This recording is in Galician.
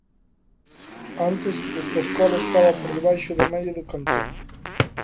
Antes, esta escola estaba por debaixo da media do cantón.